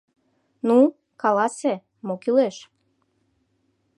Ну, каласе, мо кӱлеш?